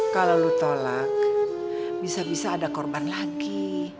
kalau lu tolak bisa bisa ada korban lagi